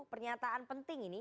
pernyataan penting ini